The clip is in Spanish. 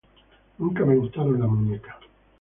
Nunca me gustaron las muñecas.